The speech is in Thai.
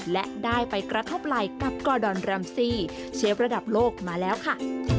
และได้ไปกระทบไหล่กับกอดอนแรมซี่เชฟระดับโลกมาแล้วค่ะ